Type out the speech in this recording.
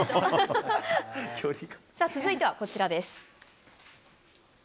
続いてはこちらです。